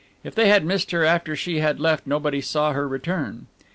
If they had missed her after she had left nobody saw her return.